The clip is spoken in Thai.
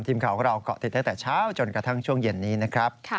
ทีมข่าวของเราเกาะติดตั้งแต่เช้าจนกระทั่งช่วงเย็นนี้นะครับ